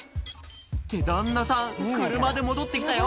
「って旦那さん車で戻ってきたよ」